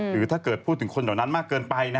หรือถ้าเกิดพูดถึงคนเหล่านั้นมากเกินไป